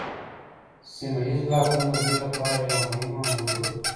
سیمه ایز بلاکونه د دوی لپاره یوه مهمه موضوع ده